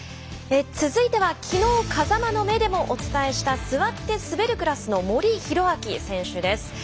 続いては、きのう「風間の目」でもお伝えした座って滑るクラスの森宏明選手です。